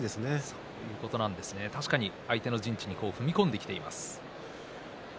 確かに相手の陣地に踏み込んできています。